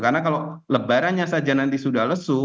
karena kalau lebarannya saja nanti sudah lesu